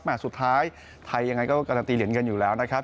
มาสุดท้ายไทยยังไงก็จะตีเหรียญกันอยู่แล้วนะครับ